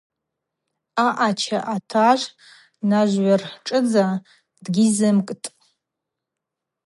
Аъача атажв нажгӏвыршӏыдза дгьизымкӏтӏ.